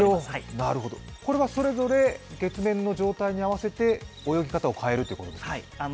これはそれぞれ月面の状態に合わせて泳ぎ方を変えるということですか？